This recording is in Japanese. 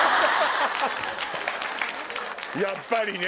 やっぱりね。